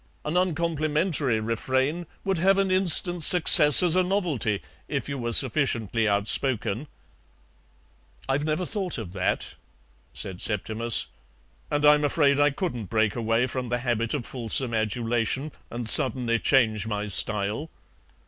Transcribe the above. An uncomplimentary refrain would have an instant success as a novelty if you were sufficiently outspoken." "I've never thought of that," said Septimus, "and I'm afraid I couldn't break away from the habit of fulsome adulation and suddenly change my style."